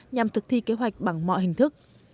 nhằm thực thi kế hoạch bằng mọi hình thức